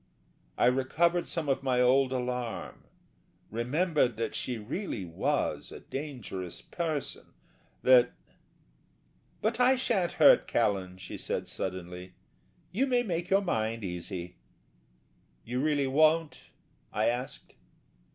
I recovered some of my old alarm, remembered that she really was a dangerous person; that ... "But I sha'n't hurt Callan," she said, suddenly, "you may make your mind easy." "You really won't?" I asked.